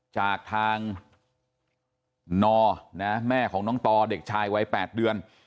จากทางนแม่ของน้องต่อเด็กชายวัย๘เดือน